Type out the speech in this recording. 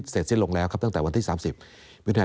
เสร็จลงแล้วตั้งแต่วันที่๓๐วิทยาจดผ่านมา